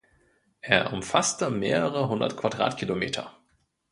Er umfasste mehrere hundert Quadratkilometer.